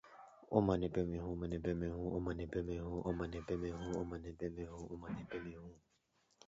He later became an assistant adjutant general.